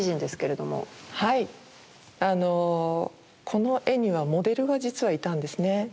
この絵にはモデルが実はいたんですね。